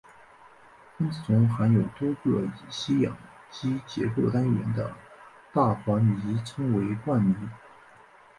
分子中含有多个乙烯氧基结构单元的大环醚称为冠醚。